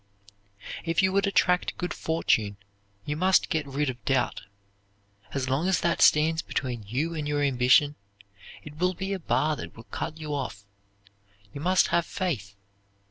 If you would attract good fortune you must get rid of doubt. As long as that stands between you and your ambition, it will be a bar that will cut you off. You must have faith.